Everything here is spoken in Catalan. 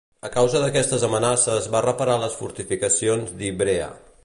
A causa d'aquestes amenaces va reparar les fortificacions d'Ivrea.